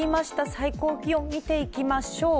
最高気温見ていきましょう。